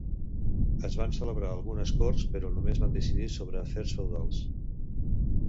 Es van celebrar algunes corts però només van decidir sobre afers feudals.